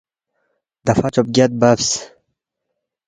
دفعہ چوبگیاد ببس